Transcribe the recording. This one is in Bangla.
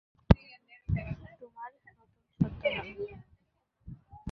তোমার নতুন ছদ্মনাম।